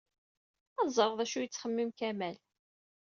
Ad ẓreɣ d acu i yettxemmim Kamal.